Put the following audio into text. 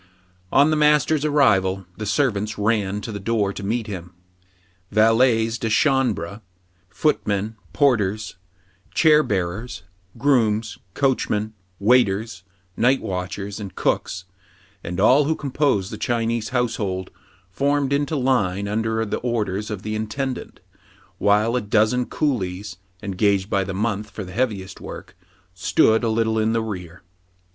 On the master's arrival, the servants ran to the door to meet him. Valet s de chambrey footmen, porters, chair bearers, grooms, coachmen, waiters, night watchers, and cooks, and all who compose the Chinese household, formed into line under the orders of the intendant ; while a dozen coolies, engaged by the month for the heaviest work, stood a little in the rear.